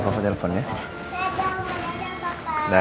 sampai jumpa di rumah ya